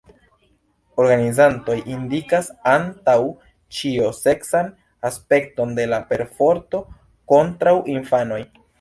Organizantoj indikas antaŭ ĉio seksan aspekton de la perforto kontraŭ infanoj.